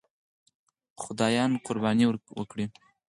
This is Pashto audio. خدایانو قرباني وکړي.